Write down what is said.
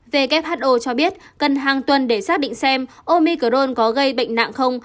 who cho biết cần hàng tuần để xác định xem omicron có gây bệnh nặng không